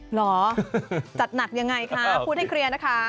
เหรอจัดหนักยังไงคะพูดให้เคลียร์นะคะ